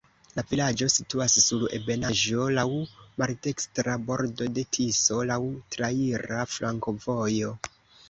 La vilaĝo situas sur ebenaĵo, laŭ maldekstra bordo de Tiso, laŭ traira flankovojo.